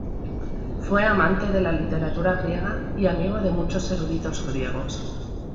Fue amante de la literatura griega y amigo de muchos eruditos griegos.